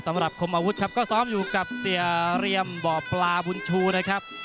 สำหรับคมอาวุธครับก็ซ้อมอยู่กับเสียเรียมบ่อปลาบุญชูนะครับ